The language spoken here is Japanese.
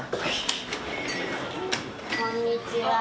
こんにちは。